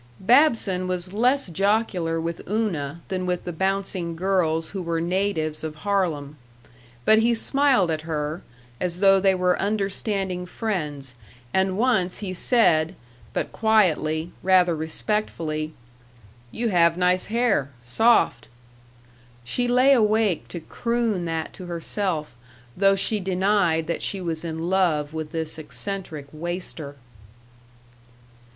Babson was less jocular with Una than with the bouncing girls who were natives of Harlem. But he smiled at her, as though they were understanding friends, and once he said, but quietly, rather respectfully, "You have nice hair soft." She lay awake to croon that to herself, though she denied that she was in love with this eccentric waster.